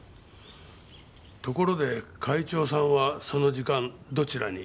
ところで会長さんはその時間どちらに？